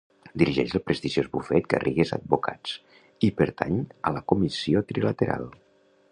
Dirigeix el prestigiós bufet Garrigues Advocats i pertany a la Comissió Trilateral.